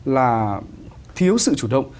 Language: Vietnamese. là thiếu sự chủ động